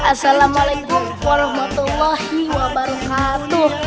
assalamualaikum warahmatullahi wabarakatuh